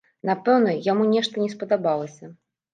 Напэўна, яму нешта не спадабалася.